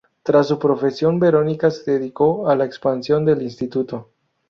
Tras su profesión, Verónica se dedicó a la expansión del instituto.